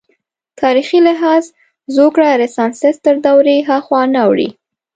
تاریخي لحاظ زوکړه رنسانس تر دورې هاخوا نه اوړي.